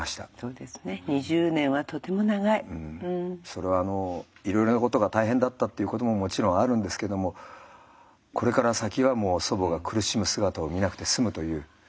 それはいろいろなことが大変だったっていうことももちろんあるんですけどもこれから先はもう祖母が苦しむ姿を見なくて済むという思いですね。